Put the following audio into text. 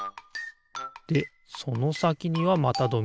でそのさきにはまたドミノ。